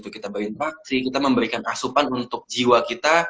kita berinteraksi kita memberikan asupan untuk jiwa kita